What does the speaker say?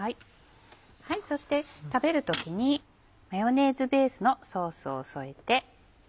そして食べる時にマヨネーズベースのソースを添えて。